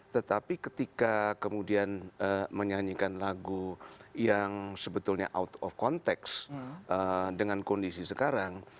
tetapi ketika kemudian menyanyikan lagu yang sebetulnya out of context dengan kondisi sekarang